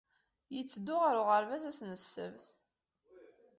Yetteddu ɣer uɣerbaz ass n ssebt.